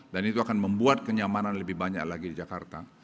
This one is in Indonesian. dan itu akan membuat kenyamanan lebih banyak lagi di jakarta